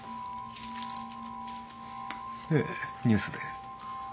ええニュースで。